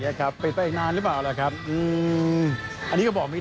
เนี้ยครับไปตั้งนานหรือเปล่าหรือครับอืมอันนี้ก็บอกไม่